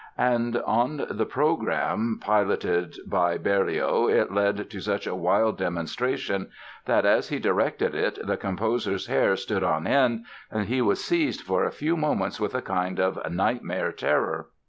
And on the program piloted by Berlioz it led to such a wild demonstration that, as he directed it, the composer's hair stood on end and he was seized for a few moments with a kind of nightmare terror.